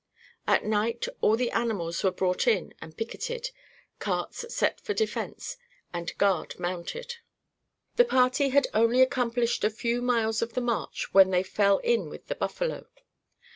At night all the animals were brought in and picketed, carts set for defence and guard mounted. [Illustration: BUFFALO HUNT. PAGE 161.] The party had only accomplished a few miles of the march when they fell in with the buffalo.